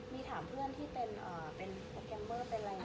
เราถามผู้เชี่ยวชาญว่ามันแทกยากขนาดนี้แหละเราโดน